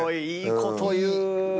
いいこと言う。